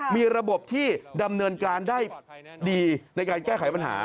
มีระบบที่ดำเนินการได้ดีในการแก้ไขปัญหา